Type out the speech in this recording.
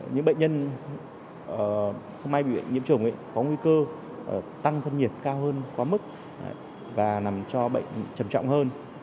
những bệnh nhân không may bị nhiễm trùng có nguy cơ tăng thân nhiệt cao hơn quá mức và nằm cho bệnh trầm trọng hơn